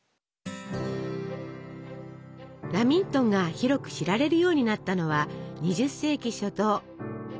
ラミントンが広く知られるようになったのは２０世紀初頭。